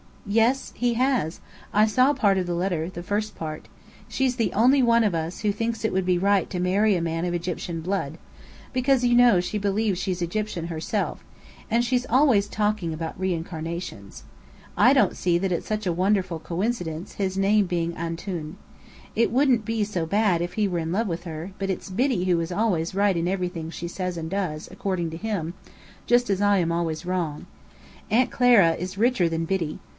"Yes. He has. I saw part of the letter the first part. She's the only one of us who thinks it would be right to marry a man of Egyptian blood, because you know she believes she's Egyptian herself and she's always talking about reincarnations. I don't see that It's such a wonderful coincidence his name being 'Antoun.' It wouldn't be so bad if he were in love with her; but it's Biddy who is always right in everything she says and does, according to him just as I am always wrong. Aunt Clara is richer than Biddy.